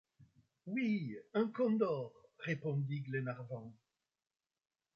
Oui, un condor, répondit Glenarvan.